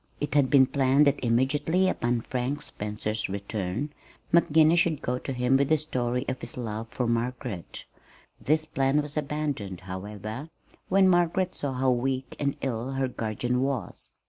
It had been planned that immediately upon Frank Spencer's return, McGinnis should go to him with the story of his love for Margaret. This plan was abandoned, however, when Margaret saw how weak and ill her guardian was.